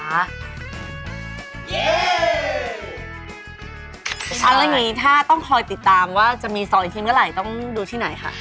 แล้วอย่างนี้ถ้าต้องคอยติดตามว่าจะมีซอยที่เมื่อไหร่ต้องดูที่ไหนคะ